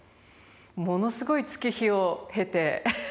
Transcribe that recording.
ものすごい月日を経て。